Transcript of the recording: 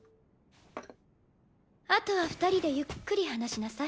あとは二人でゆっくり話しなさい。